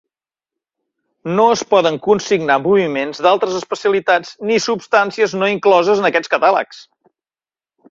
No es poden consignar moviments d'altres especialitats ni substàncies no incloses en aquests catàlegs.